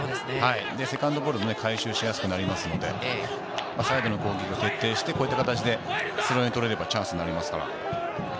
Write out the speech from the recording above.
セカンドボールを回収しやすくなりますので、サイドの攻撃、こういった形で取れればチャンスになりますから。